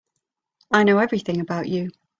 I know everything about you.